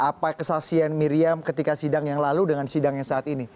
apa kesaksian miriam ketika sidang yang lalu dengan sidang yang saat ini